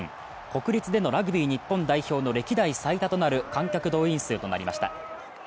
国立でのラグビー日本代表の歴代最多となる観客動員数となりました。